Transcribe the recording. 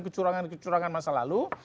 kecurangan kecurangan masa lalu